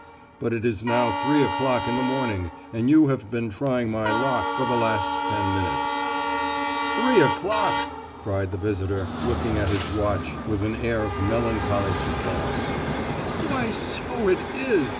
but it is now three o'clock in the morning, and you have been trying my lock for the last ten minutes." "Three o'clock!" cried the visitor, looking at his watch with an air of melancholy surprise. "Why, so it is!